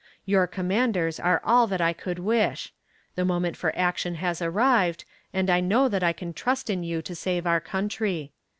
Your commanders are all that I could wish. The moment for action has arrived, and I know that I can trust in you to save our country.